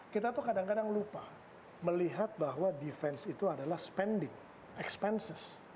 kita tuh kadang kadang lupa melihat bahwa defense itu adalah spending expenses